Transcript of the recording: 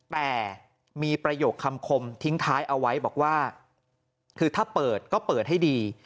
แต่มีประโยคคำคมทิ้งท้ายเอาไว้บอกว่าคือถ้าเปิดก็เปิดให้ดี